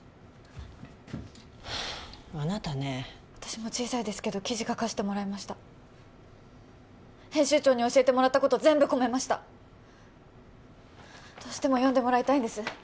あなたね私も小さいですけど記事書かせてもらいました編集長に教えてもらったこと全部込めましたどうしても読んでもらいたいんです